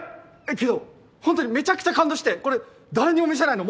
けどホントにめちゃくちゃ感動してこれ誰にも見せないのもったいな。